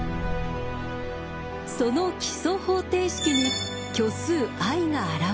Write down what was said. その基礎方程式に虚数ｉが現れる。